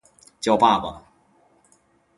叫爸爸